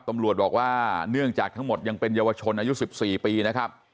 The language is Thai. ตำรวจบอกว่าเนื่องจากทั้งหมดยังเป็นเยาวชนอายุ๑๔ปีนะครับ